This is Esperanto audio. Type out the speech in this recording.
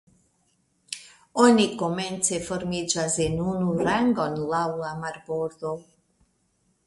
oni komence formiĝas en unu rangon laŭ la marbordo.